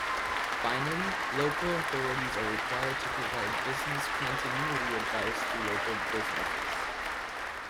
Finally, local authorities are required to provide business continuity advice to local businesses.